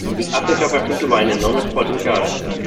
Südafrika verfügt über ein enormes Potential.